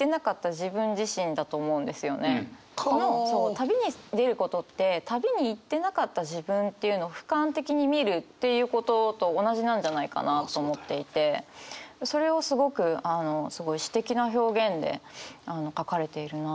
旅に出ることって旅に行ってなかった自分っていうのをふかん的に見るということと同じなんじゃないかなと思っていてそれをすごく詩的な表現で書かれているなと思いました。